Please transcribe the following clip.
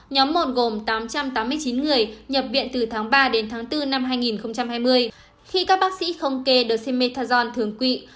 nhóm một gồm tám trăm tám mươi chín người nhập viện từ tháng ba đến tháng bốn năm hai nghìn hai mươi khi các bác sĩ không kê demethazon thường quỵ